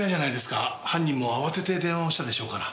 犯人も慌てて電話をしたでしょうから。